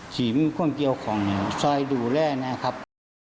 เนี่ยมีคนเคี้ยวทองเนี่ยช่วยดูแลแนะครับ